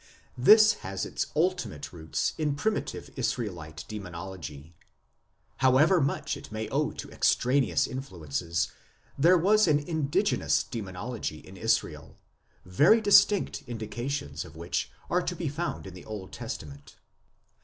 This has its ultimate roots in primitive Israelite Demonology. However much it may owe to extraneous influences, there was an indigenous Demonology in Israel, very distinct indications of which are to be found in the Old Testament.